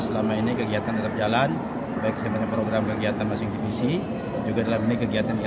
selama ini kegiatan tetap jalan baik program kegiatan masih divisi juga dalam ini kegiatan